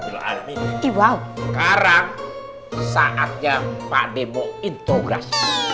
sekarang saatnya pak demo intogras